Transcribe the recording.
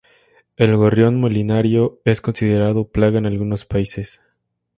El gorrión molinero es considerado plaga en algunos países.